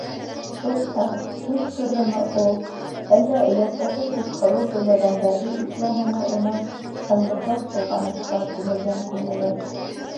Туҡта, төш күрҙеме ул, әллә өләсәһе Күкһылыу һөйләгәндәрҙе иҫләнеме уның тынғыһыҙ солғанышҡа күмелгән күңеле?